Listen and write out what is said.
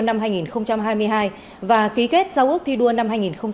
năm hai nghìn hai mươi hai và ký kết giao ước thi đua năm hai nghìn hai mươi ba